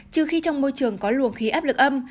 trừ khi trong môi trường có luồng khí áp lực âm